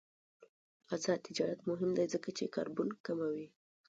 آزاد تجارت مهم دی ځکه چې کاربن کموي.